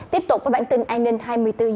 tiếp tục với bản tin an ninh hai mươi bốn h